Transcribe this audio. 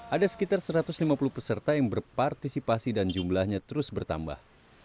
ada sekitar satu ratus lima puluh peserta yang berpartisipasi dan jumlahnya terus bertambah